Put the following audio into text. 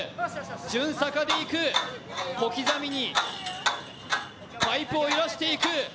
順逆でいく、小刻みにパイプを揺らしていく。